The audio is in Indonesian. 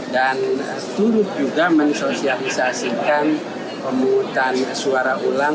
dan turut juga mensosialisasikan pengumutan suara ulang